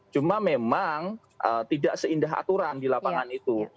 cuma memang tidak seindah aturan di lapangan itu